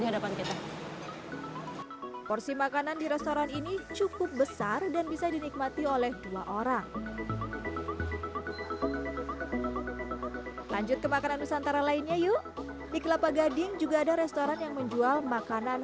di kelapa gading juga ada restoran yang menjual makanan